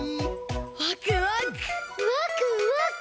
ワクワク！